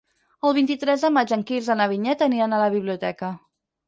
El vint-i-tres de maig en Quirze i na Vinyet aniran a la biblioteca.